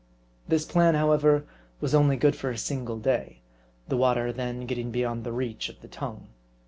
This plan, however, was only good for a single day ; the water then getting beyond the reach of the tongue.